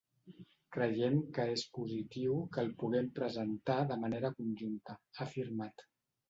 “Creiem que és positiu que el puguem presentar de manera conjunta”, ha afirmat.